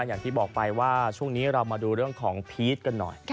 อย่างที่บอกไปว่าช่วงนี้เรามาดูเรื่องของพีชกันหน่อย